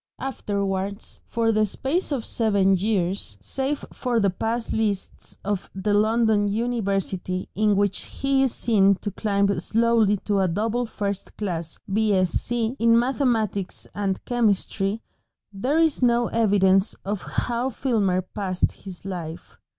Afterwards, for the space of seven years, save for the pass lists of the London University, in which he is seen to climb slowly to a double first class B.Sc., in mathematics and chemistry, there is no evidence of how Filmer passed his life.